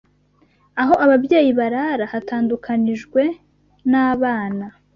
aho ababyeyi barara hatandukanyijwe n’abana